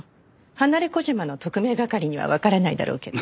離れ小島の特命係にはわからないだろうけど。